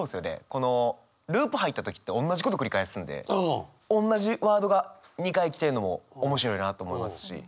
このループ入った時っておんなじこと繰り返すんでおんなじワードが２回来てるのも面白いなと思いますし。